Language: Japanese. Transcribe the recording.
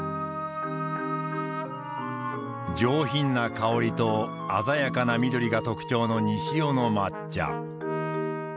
上品な香りと鮮やかな緑が特徴の西尾の抹茶。